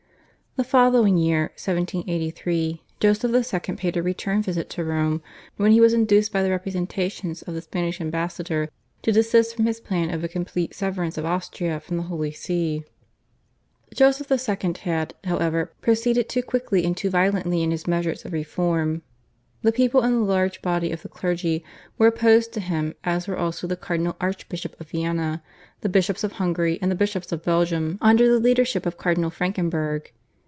The following year (1783) Joseph II. paid a return visit to Rome, when he was induced by the representations of the Spanish ambassador to desist from his plan of a complete severance of Austria from the Holy See. Joseph II. had, however, proceeded too quickly and too violently in his measures of reform. The people and the large body of the clergy were opposed to him as were also the Cardinal Archbishop of Vienna, the bishops of Hungary, and the bishops of Belgium under the leadership of Cardinal Frankenberg.